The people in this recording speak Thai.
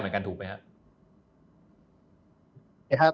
เหมือนกันถูกไหมครับ